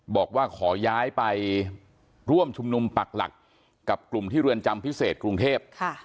บอกว่าขอย้ายไปร่วมชุมนุมปักหลักกับกลุ่มที่เรือนจำพิเศษกรุงเทพ